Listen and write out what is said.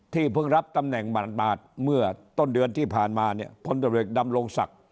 เพิ่งรับตำแหน่งบาดเมื่อต้นเดือนที่ผ่านมาเนี่ยพลตรวจดำรงศักดิ์